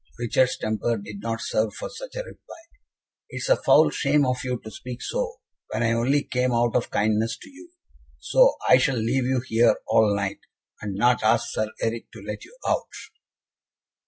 Richard's temper did not serve for such a reply. "It is a foul shame of you to speak so, when I only came out of kindness to you so I shall leave you here all night, and not ask Sir Eric to let you out."